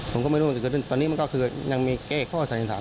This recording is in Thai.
ผมก็ไม่รู้ว่ามันเกิดอะไรขึ้นตอนนี้มันก็คือยังมีแก้ข้อสารินฐาน